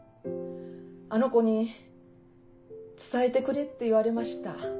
あの子に伝えてくれって言われました。